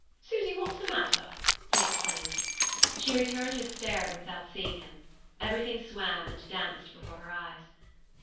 Susy, what's the matter?" he exclaimed. She returned his stare, but without seeing him. Everything swam and danced before her eyes.